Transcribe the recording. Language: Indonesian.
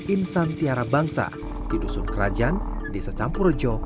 insan tiara bangsa di dusun kerajaan desa campurjo